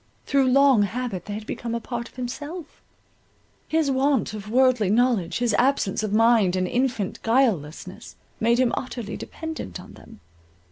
Through long habit they had become a part of himself; his want of worldly knowledge, his absence of mind and infant guilelessness, made him utterly dependent on them.